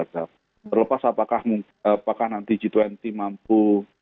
terlepas apakah nanti g dua puluh mampu